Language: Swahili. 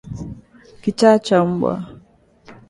kichaa cha mbwa